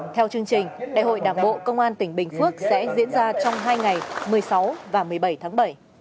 theo chương trình đại hội đảng bộ công an tỉnh bình phước sẽ diễn ra trong hai ngày một mươi sáu và một mươi bảy tháng bảy